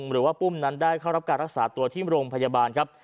ปุ้มนั้นได้เข้ารับการรักษาตัวที่โรงพยาบาลครับ